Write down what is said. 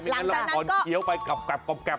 ไม่งั้นเราก็อ่อนเคี้ยวไปกับไม่ได้